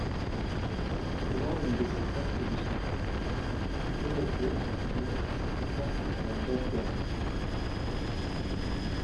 Tirant une de ses cartes de son portefeuille : Remettez, dit-il, cette carte à Madame Bergam.